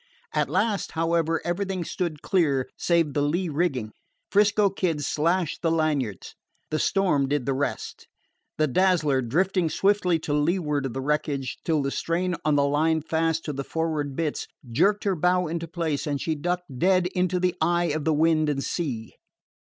At last, however, everything stood clear save the lee rigging. 'Frisco Kid slashed the lanyards. The storm did the rest. The Dazzler drifted swiftly to leeward of the wreckage till the strain on the line fast to the forward bitts jerked her bow into place and she ducked dead into the eye of the wind and sea.